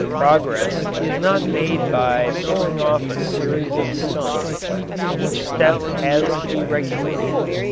Progress is not made by pulling off a series of stunts. Each step has to be regulated.